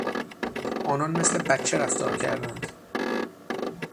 آنان مثل بچه رفتار کردند.